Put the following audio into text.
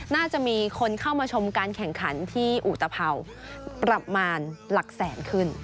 น่าจะมีคนเข้ามาชมการแข่งขันที่อุตภัวร์ประมาณหลักแสนขึ้น